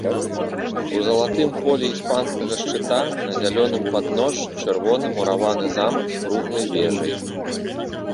У залатым полі іспанскага шчыта на зялёным падножжы чырвоны мураваны замак з круглай вежай.